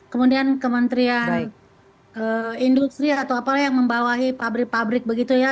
kemudian kementerian industri atau apalah yang membawahi pabrik pabrik begitu ya